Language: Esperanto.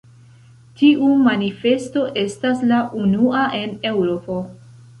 Tiu manifesto estas la unua en Eŭropo.